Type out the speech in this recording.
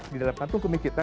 di dalam kantung kumi kita